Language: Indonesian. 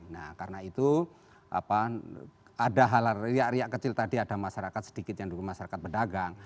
nah karena itu ada halal riak riak kecil tadi ada masyarakat sedikit yang dulu masyarakat pedagang